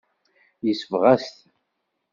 Yesbeɣ-as-t.